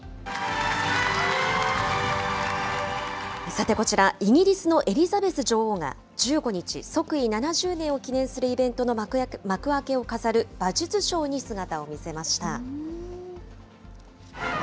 さてこちら、イギリスのエリザベス女王が１５日、即位７０年を記念するイベントの幕開けを飾る馬術ショーに姿を見せました。